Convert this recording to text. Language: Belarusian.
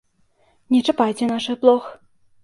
Не чапайце нашых блох!